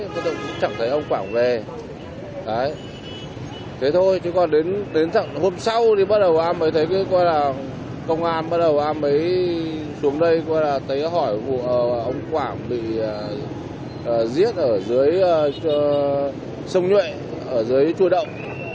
bắt đầu anh mới thấy cái coi là công an bắt đầu anh mới xuống đây coi là thấy hỏi ông quảng bị giết ở dưới sông nhuệ ở dưới chua động